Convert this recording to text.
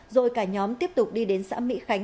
rồi cả nhóm tiếp tục đi đến xã mỹ khánh